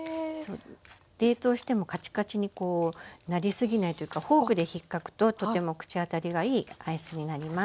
冷凍してもカチカチにこうなりすぎないというかフォークでひっかくととても口当たりがいいアイスになります。